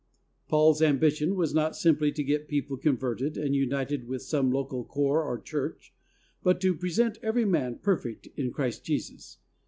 Paul's ambition was not simply to get people converted and united with some local corps or church, but to "pre sent every man perfect in Christ Jesus."